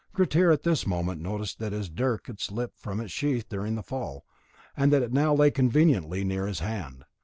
Grettir at this moment noticed that his dirk had slipped from its sheath during the fall, and that it now lay conveniently near his hand.